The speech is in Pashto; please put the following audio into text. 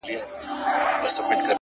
د زړه صفا د وجدان سکون دی.!